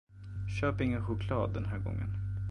Köp ingen choklad den här gången.